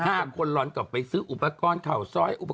ห้าคนหลอนกลับไปซื้ออุปกรณ์เผ่าซอยอุปกรณ์